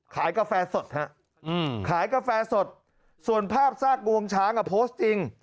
กาแฟสดฮะขายกาแฟสดส่วนภาพซากงวงช้างอ่ะโพสต์จริง